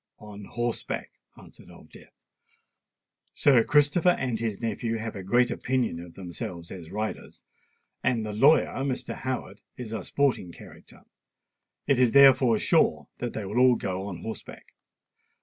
"On horseback," answered Old Death. "Sir Christopher and his nephew have a great opinion of themselves as riders; and the lawyer, Mr. Howard, is a sporting character. It is, therefore, sure that they will all go on horseback."